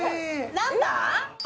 何だ？